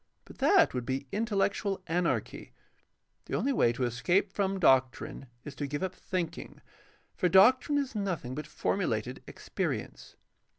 But that would be" intel lectual anarchy. The only way to escape from doctrine is to give up thinking, for doctrine is nothing but formulated experience.